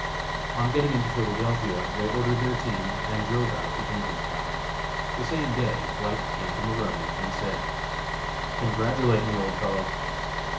On getting into Philadelphia they ordered their team and drove out to Jenkintown. The same day White came to Maroney and said: "Congratulate me, old fellow.